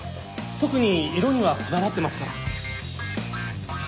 特に色にはこだわってますから。